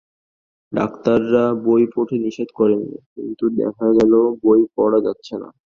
ডাক্তাররা বই পড়তে নিষেধ করেন নি, কিন্তু দেখা গেল বই পড়া যাচ্ছে না।